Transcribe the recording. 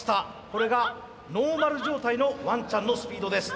これがノーマル状態のワンちゃんのスピードです。